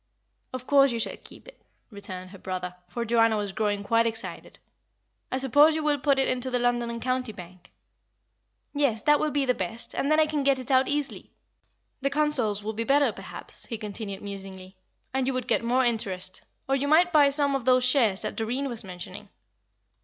"Of course you shall keep it," returned her brother; for Joanna was growing quite excited. "I suppose you will put it into the London & County Bank." "Yes, that will be best; and then I can get it out easily." "The consols would be better, perhaps," he continued, musingly; "and you would get more interest. Or you might buy some of those shares that Doreen was mentioning."